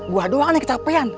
gue doang nih kecapean